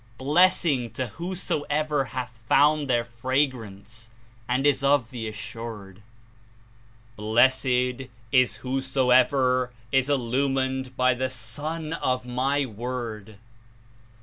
Blessing to whosoever hath found their fragrance and is of the assured." "Blessed is whosoever is illumined by the Sun of My Word.